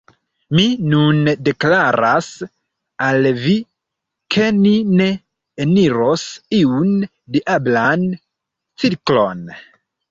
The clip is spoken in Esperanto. Mi nun deklaras al vi, ke ni ne eniros iun diablan cirklon.